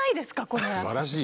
これ。